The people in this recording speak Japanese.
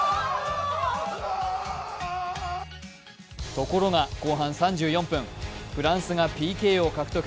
ところが後半３４分、フランスがＰＫを獲得。